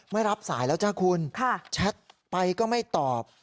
ไม่รับสายแล้วจ้าคุณแชทไปก็ไม่ตอบ